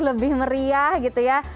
lebih meriah gitu ya